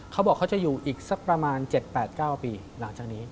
เขาบอกเขาจะอยู่อีกสักประมาณ๗๘๙ปีหลังจากนี้